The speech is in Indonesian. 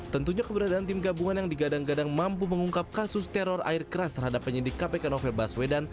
tentunya keberadaan tim gabungan yang digadang gadang mampu mengungkap kasus teror air keras terhadap penyidik kpk novel baswedan